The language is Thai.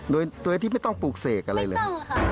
โดยที่ไม่ต้องปลูกเสกอะไรเลย